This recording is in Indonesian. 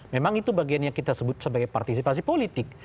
memang itu bagian yang kita sebut sebagai partisipasi politik